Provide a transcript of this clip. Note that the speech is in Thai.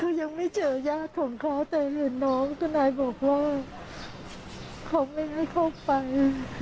คือยังไม่เจอยาของเขาแต่เหลือน้องก็นายบอกว่าเขาไม่ได้เข้าไป